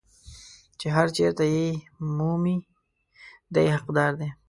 چې هر چېرته یې مومي دی یې حقدار دی.